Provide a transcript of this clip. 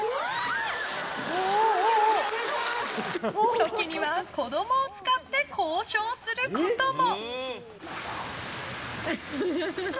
時には子供を使って交渉することも。